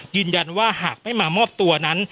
ยืนยันว่าหากไม่มามอบตัวนั้น